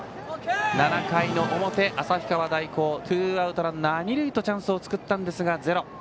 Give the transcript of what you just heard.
７回の表、旭川大高ツーアウトランナー、二塁とチャンスを作りましたが、ゼロ。